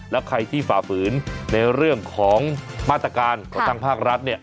แล้วใครที่ฝ่าฝืนในเรื่องของมาตรการของทางภาครัฐเนี่ย